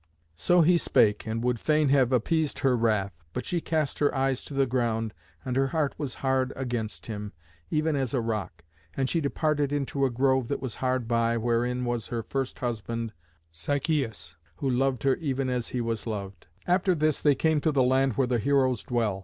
So he spake, and would fain have appeased her wrath. But she cast her eyes to the ground, and her heart was hard against him, even as a rock. And she departed into a grove that was hard by, wherein was her first husband, Sichæus, who loved her even as he was loved. After this they came to the land where the heroes dwell.